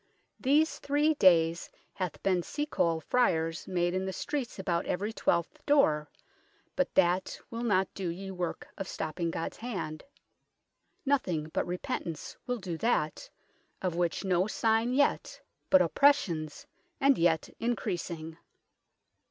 These 3 dayes hath bene sea cole fyres made in the streetes about every I2th doore, but that will not do ye worke of stopping God's hand; nothing but repentance will do that, of which no signe yett, but oppressions, and yett increasing."